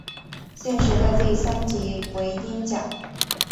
现时的第三级为英甲。